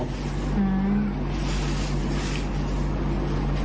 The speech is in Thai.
อืม